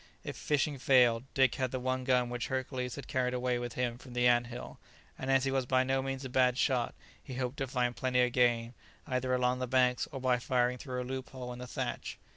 If fishing failed, Dick had the one gun which Hercules had carried away with him from the ant hill, and as he was by no means a bad shot, he hoped to find plenty of game, either along the banks or by firing through a loophole in the thatch.